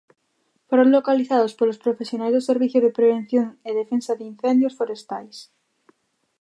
Foron localizados polos profesionais do Servizo de Prevención e Defensa de Incendios Forestais.